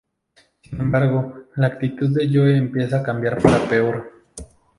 Sin embargo la actitud de Joe empieza a cambiar para peor.